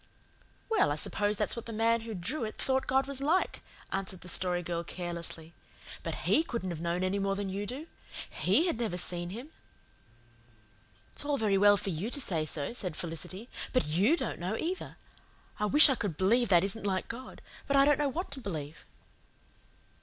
"Well, I suppose that's what the man who drew it thought God was like," answered the Story Girl carelessly. "But HE couldn't have known any more than you do. HE had never seen Him." "It's all very well for you to say so," said Felicity, "but YOU don't know either. I wish I could believe that isn't like God but I don't know what to believe."